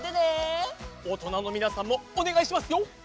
おとなのみなさんもおねがいしますよ。